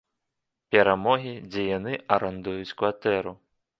Перамогі, дзе яны арандуюць кватэру.